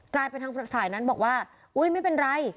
ไปทางฝ่ายนั้นบอกว่าอุ๊ยไม่เป็นไร